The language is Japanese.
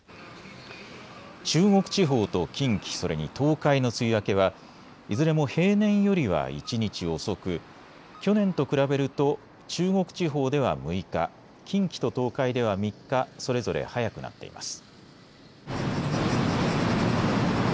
中国地方と近畿、それに東海の梅雨明けはいずれも平年よりは一日遅く去年と比べると中国地方では６日、近畿と東海では３日、それぞれ早くなっています。